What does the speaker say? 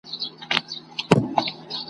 پاس به د اسمان پر لمن وګرځو عنقا به سو ..